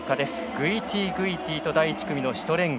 グイティグイティと第１組のシュトレング